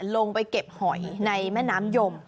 ลงไปเก็บหอยในแม่น้ำยม